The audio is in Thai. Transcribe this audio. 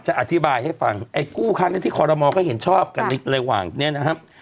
จะอธิบายให้ฟังไอ้กู้ค้าที่คอลโดมอลก็เห็นชอบกันระหว่างนี้นะครับ